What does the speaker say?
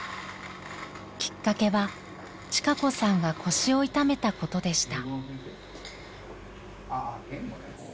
きっかけは千香子さんが腰を痛めたことでした。